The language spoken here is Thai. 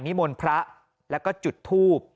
นิมนต์พระและก็จุดทูป